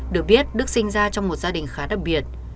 được biết đức sinh ra trong một gia đình khá đặc biệt